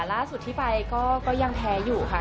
ล่าสุดที่ไปก็ยังแพ้อยู่ค่ะ